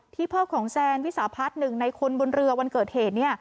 พ่อของแซนวิสาพัฒน์หนึ่งในคนบนเรือวันเกิดเหตุ